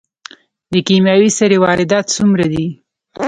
د کیمیاوي سرې واردات څومره دي؟